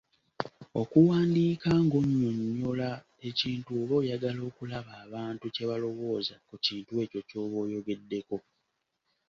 Okuwandiika ng’onnyonnyola ekintu oba oyagala okulaba abantu kye balawooza ku kintu ekyo ky’oba oyogeddeko.